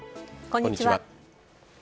こんにちは。